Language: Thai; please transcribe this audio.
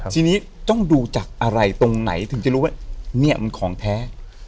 ทีนี้ต้องดูจากอะไรตรงไหนถึงจะรู้ว่าเนี่ยมันของแท้